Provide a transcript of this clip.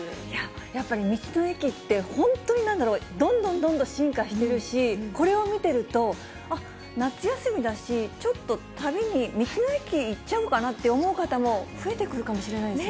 やっぱり道の駅って、本当に、なんだろう、どんどんどんどん進化しているし、これを見てると、あっ、夏休みだし、ちょっと旅に、道の駅行っちゃおうかなって思う方も増えてくるかもしれないです